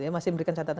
masih memberikan catatan